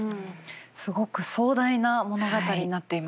すごく壮大な物語になっていますね。